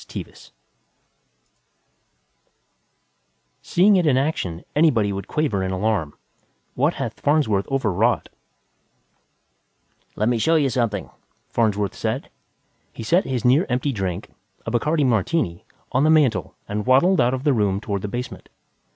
TEVIS Seeing it in action, anybody would quaver in alarm: What hath Farnsworth overwrought? Illustrated by Johnson "Let me show you something," Farnsworth said. He set his near empty drink a Bacardi martini on the mantel and waddled out of the room toward the basement.